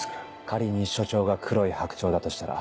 仮に署長が黒い白鳥だとしたら。